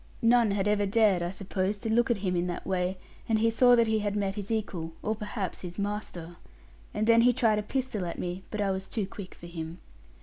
None had ever dared, I suppose, to look at him in that way; and he saw that he had met his equal, or perhaps his master. And then he tried a pistol at me, but I was too quick for him.